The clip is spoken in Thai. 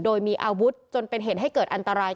โดยมีอาวุธจนเป็นเหตุให้เกิดอันตราย